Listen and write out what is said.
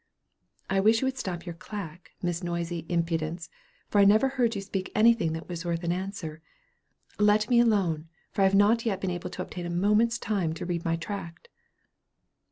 "I wish you would stop your clack, Miss Noisy Impudence; for I never heard you speak anything that was worth an answer. Let me alone, for I have not yet been able to obtain a moment's time to read my tract."